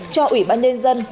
cho ủy ban nhân dân